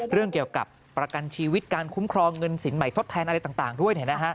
เรื่องเกี่ยวกับประกันชีวิตการคุ้มครองเงินสินใหม่ทดแทนอะไรต่างด้วย